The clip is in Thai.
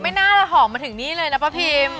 ไม่น่าจะหอมมาถึงนี่เลยนะป้าพิม